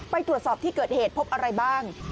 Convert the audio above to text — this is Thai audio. ไปตรวจสอบที่เกิดเหตุพบอะไรบ้าง